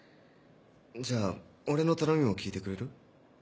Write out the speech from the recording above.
じゃあ俺の頼みも聞いてくれる？